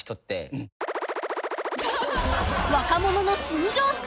［若者の新常識？